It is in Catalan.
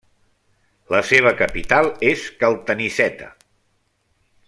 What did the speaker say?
La seva capital és Caltanissetta.